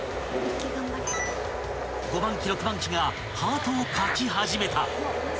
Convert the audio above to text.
［５番機６番機がハートを描き始めた］